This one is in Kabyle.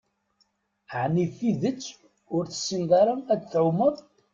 Ɛni d tidett ur tessineḍ ara ad tɛumeḍ?